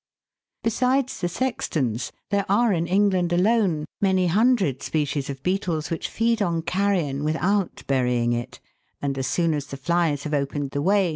Besides the Sextons, there are in England alone many hundred species of beetles which feed on carrion without burying it, and, as soon as the flies have opened the way.